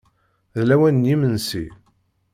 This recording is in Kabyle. D lawan n yimensi.